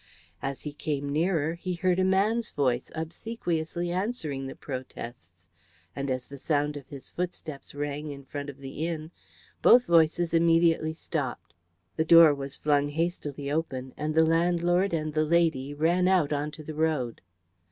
As he came nearer he heard a man's voice obsequiously answering the protests, and as the sound of his footsteps rang in front of the inn both voices immediately stopped. The door was flung hastily open, and the landlord and the lady ran out onto the road.